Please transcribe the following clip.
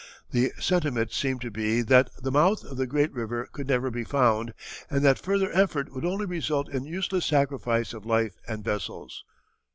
The sentiment seemed to be that the mouth of the great river could never be found and that further effort would only result in useless sacrifice of life and vessels.